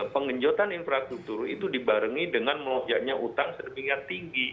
pengenjutan infrastruktur itu dibarengi dengan menolaknya utang sedemikian tinggi